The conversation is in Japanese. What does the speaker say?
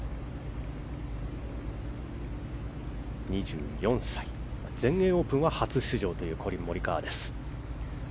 ２４歳、全英オープンは初出場というコリン・モリカワです。